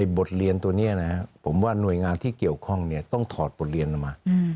บทเรียนตัวนี้นะครับผมว่าหน่วยงานที่เกี่ยวข้องต้องถอดบทเรียนออกมา